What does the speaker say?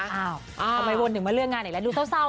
ทำไมวนถึงมาเลือกงานอีกแล้วดูเศร้า